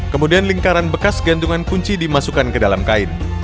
kemudian lingkaran bekas gantungan kunci dimasukkan ke dalam kain